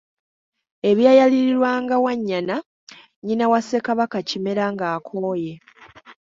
Ebyayalirirwanga Wannyana nnyina wa Ssekabaka Kimera ng'akooye.